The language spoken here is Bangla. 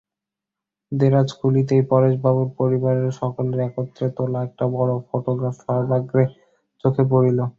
দেরাজ খুলিতেই পরেশবাবুর পরিবারের সকলের একত্রে তোলা একটা বড়ো ফোটোগ্রাফ সর্বাগ্রে চোখে পড়িল।